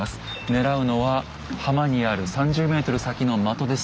狙うのは浜にある３０ｍ先の的です。